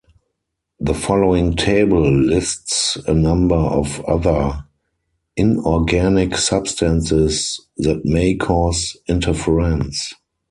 The following table lists a number of other inorganic substances that may cause interference.